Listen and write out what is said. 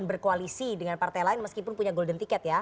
berkoalisi dengan partai lain meskipun punya golden ticket ya